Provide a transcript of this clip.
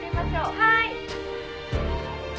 「はい。